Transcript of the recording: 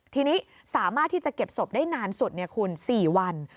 ทีนี้สามารถที่จะเก็บศพได้นานสุดคุณ๔วัน